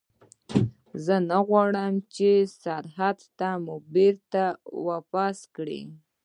زه نه غواړم چې سرحد ته مو بېرته واپس کړي.